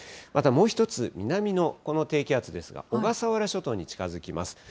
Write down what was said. またもう一つ、南のこの低気圧ですが、小笠原諸島に近づきます。